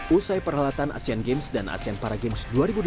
usai peralatan asean games dan asean para games dua ribu delapan belas